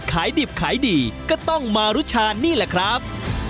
ขายดีบขายดีก็มารู้ชานี่ล่ะครับ